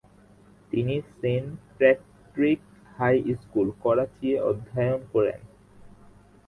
তিনি Saint Patrick High School, Karachi এ অধ্যয়ন করেন।